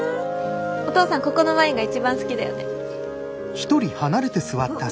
お父さんここのワインが一番好きだよね。